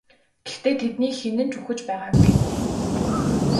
Гэхдээ тэдний хэн нь ч үхэж байгаагүй.